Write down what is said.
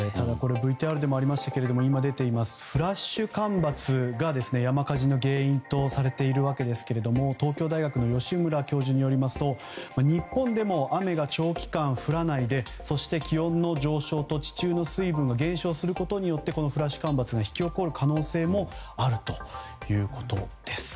ＶＴＲでもありましたがフラッシュ干ばつが山火事の原因とされているわけですが東京大学の芳村教授によりますと日本でも雨が長期間降らないでそして、気温の上昇と地中の水分が減少することによってフラッシュ干ばつが引き起こる可能性もあるということです。